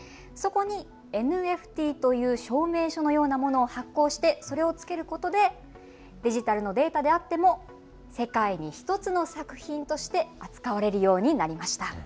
そこに、ＮＦＴという証明書のようなものを発行して、それをつけることでデジタルのデータであっても世界に１つの作品として扱われるようになりました。